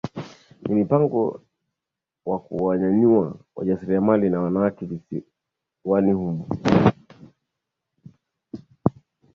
Ni mpango wa kuwanyanyua wajasiriamali na wanawake visiwani humo